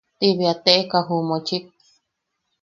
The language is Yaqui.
Ti bea teʼeka ju mochik.